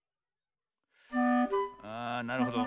あなるほど。